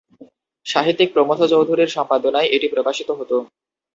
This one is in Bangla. সাহিত্যিক প্রমথ চৌধুরীর সম্পাদনায় এটি প্রকাশিত হতো।